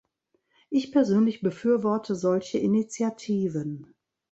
Ich persönlich befürworte solche Initiativen.